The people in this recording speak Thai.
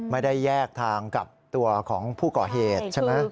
ไม่ได้แยกทางกับตัวของผู้ก่อเหตุใช่ไหม